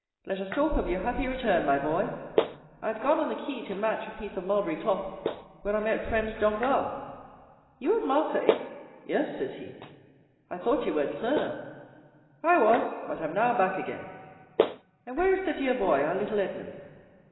Let us talk of your happy return, my boy. I had gone on the quay to match a piece of mulberry cloth, when I met friend Danglars. 'You at Marseilles?'—'Yes,' says he. "'I thought you were at Smyrna.'—'I was; but am now back again.' "'And where is the dear boy, our little Edmond?